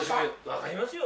分かりますよ。